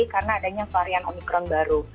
karena adanya varian omikron baru